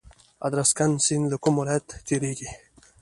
ادرسکن سیند له کوم ولایت تیریږي؟